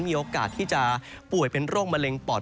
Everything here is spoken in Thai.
มีโอกาสที่จะป่วยเป็นโรคมะเร็งปอด